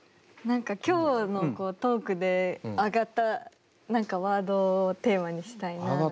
何か今日のトークであがった何かワードをテーマにしたいな。